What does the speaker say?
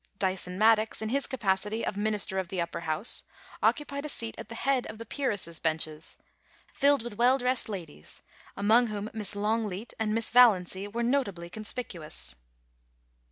Dyson Maddox, in his capacit}' of Minister of the Upper House, occupied a seat at the head of the peeresses' benches, filled with well dressed ladies, among whom Miss Longleat and Mrs. ValUmcy were notably con spicuous.